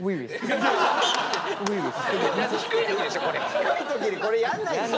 低い時にこれやんないでしょ。